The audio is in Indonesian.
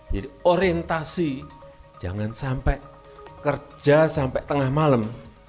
jadi orientasi jangan sampai kerja sampai tengah malam